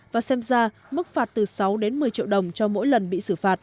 và xem ra mức phạt từ sáu đến một mươi triệu đồng cho mỗi lần bị xử phạt